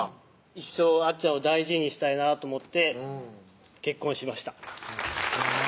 一生あっちゃんを大事にしたいなと思って結婚しました